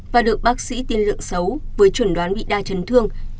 và được bác sĩ tiên lượng xấu với chuẩn đoán bị đa chấn thương